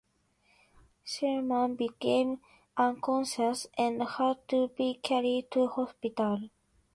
Shriram became unconscious and had to be carried to hospital.